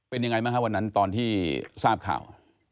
เป็นยังไงบ้างครับวันนั้นตอนที่ทราบข่าว